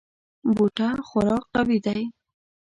د دې حیوان بوټه خورا قوي دی.